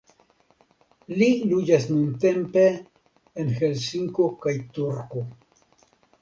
Li loĝas nuntempe en Helsinko kaj Turku.